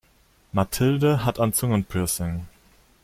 Mathilde hat ein Zungenpiercing.